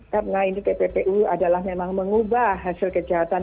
karena ini pppu adalah memang mengubah hasil kejahatan